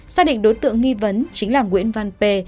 xác định đối tượng nghi vấn chính là nguyễn văn p